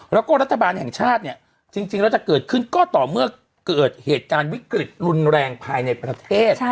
แล้วก็รัฐบาลแห่งชาติเนี่ยจริงแล้วจะเกิดขึ้นก็ต่อเมื่อเกิดเหตุการณ์วิกฤตรุนแรงภายในประเทศ